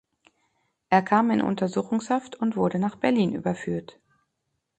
Er kam in Untersuchungshaft und wurde nach Berlin überführt.